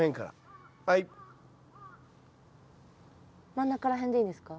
真ん中らへんでいいんですか？